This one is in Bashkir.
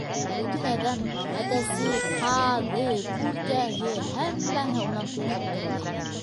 Бөтөн әҙәм, әтәсе, ҡаҙы, күркәһе - һәммәһе унан ҡурҡып торор ине!